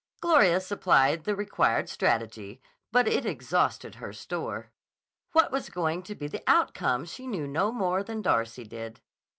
Gloria supplied the required strategy, but it exhausted her store. What was going to be the outcome she knew no more than Darcy did.